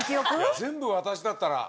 全部私だったら。